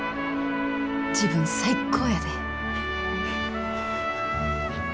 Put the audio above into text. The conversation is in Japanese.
自分最高やで！